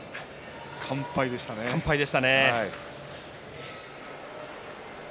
完敗でしたね。